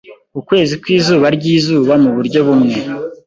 ukwezi kwizuba ryizuba Muburyo bumwe